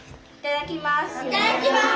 いただきます。